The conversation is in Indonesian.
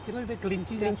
kita lebih kelinci